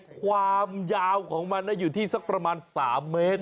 ความยาวของมันอยู่ที่สักประมาณ๓เมตร